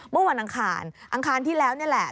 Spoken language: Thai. เมื่อวันอังคารอังคารที่แล้วนี่แหละ